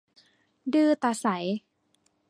ดื้อตาใส